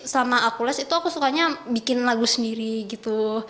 selama aku les itu aku sukanya bikin lagu sendiri gitu